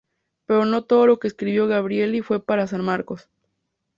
Pero no todo lo que escribió Gabrieli fue para San Marcos.